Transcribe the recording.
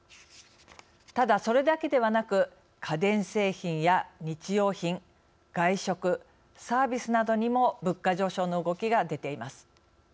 ただ、それだけではなく家電製品や日用品外食、サービスなどにも物価上昇の動きが出ています。